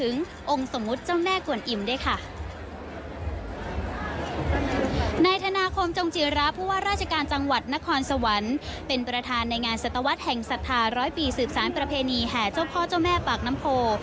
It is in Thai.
นายธนาคมจงจิระผู้ว่าราชการจังหวัดนครสวรรค์เป็นประธานในงานสตวรรษแห่งศรัทธาร้อยปีสืบสารประเพณีแห่เจ้าพ่อเจ้าแม่ปากน้ำโพ